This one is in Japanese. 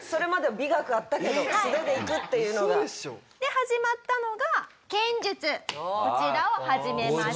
始まったのが剣術こちらを始めました。